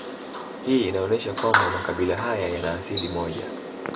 Hii inaonesha kwamba makabila haya yana asili moja